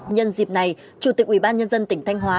nhân dịp này chủ tịch ủy ban nhân dân tỉnh thanh hóa